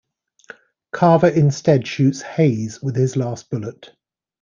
Carver instead shoots Hayes with his last bullet.